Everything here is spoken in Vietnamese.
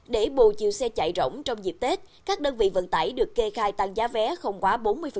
để bù chiều xe chạy rỗng trong dịp tết các đơn vị vận tải được kê khai tăng giá vé không quá bốn mươi